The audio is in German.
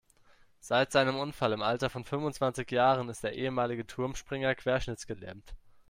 Seit seinem Unfall im Alter von fünfundzwanzig Jahren ist der ehemalige Turmspringer querschnittsgelähmt.